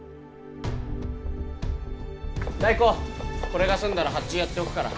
代行これが済んだら発注やっておくから。